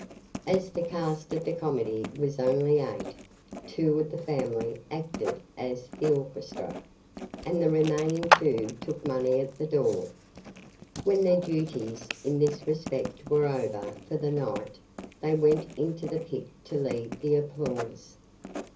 As the cast of the comedy was only eight, two of the family acted as the orchestra, and the remaining two took money at the door. When their duties in this respect were over for the night, they went into the pit to lead the applause.